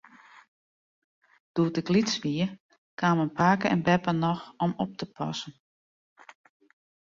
Doe't ik lyts wie, kamen pake en beppe noch om op te passen.